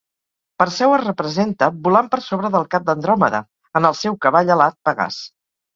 Perseu es representa volant per sobre del cap d'Andròmeda, en el seu cavall alat Pegàs.